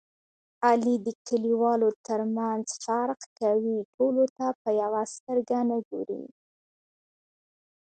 علي د کلیوالو ترمنځ فرق کوي. ټولو ته په یوه سترګه نه ګوري.